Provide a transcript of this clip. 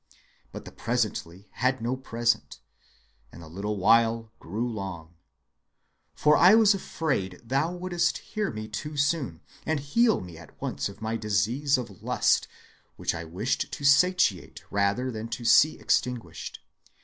But the 'presently' had no 'present,' and the 'little while' grew long.... For I was afraid thou wouldst hear me too soon, and heal me at once of my disease of lust, which I wished to satiate rather than to see extinguished.